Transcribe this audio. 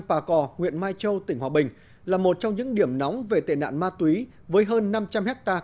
bà cò huyện mai châu tỉnh hòa bình là một trong những điểm nóng về tệ nạn ma túy với hơn năm trăm linh hectare